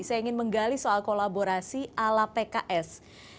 saya ingin menggali soal kolaborasi ala pks